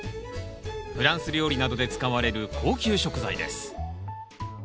フランス料理などで使われる高級食材です。